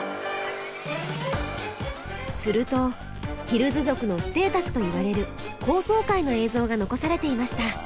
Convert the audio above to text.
するとヒルズ族のステータスといわれる高層階の映像が残されていました。